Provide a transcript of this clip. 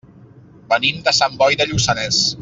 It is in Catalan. Venim de Sant Boi de Lluçanès.